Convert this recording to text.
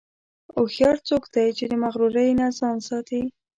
هوښیار څوک دی چې د مغرورۍ نه ځان ساتي.